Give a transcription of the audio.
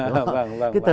vâng vâng vâng